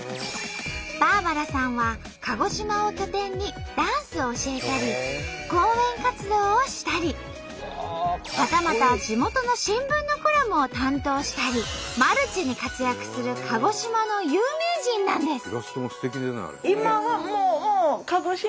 バーバラさんは鹿児島を拠点にダンスを教えたり講演活動をしたりはたまた地元の新聞のコラムを担当したりマルチに活躍する鹿児島の有名人なんです。